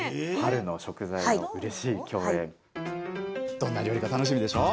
どんな料理か楽しみでしょ！